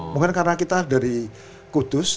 mungkin karena kita dari kudus